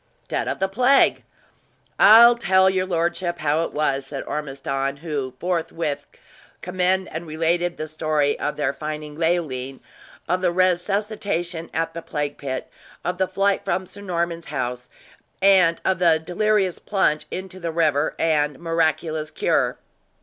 "Dead of the plague! I'll tell your lordship how it was," said Ormiston, who forthwith commend and related the story of their finding Leoline; of the resuscitation at the plague pit; of the flight from Sir Norman's house, and of the delirious plunge into the river, and miraculous cure.